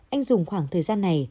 anh dùng khoảng thời gian này